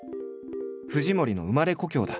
藤森の生まれ故郷だ。